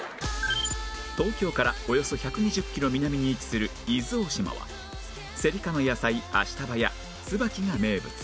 東京からおよそ１２０キロ南に位置する伊豆大島はセリ科の野菜明日葉や椿が名物